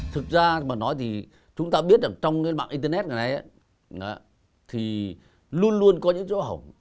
thực ra mà nói thì chúng ta biết trong mạng internet này thì luôn luôn có những dấu hổng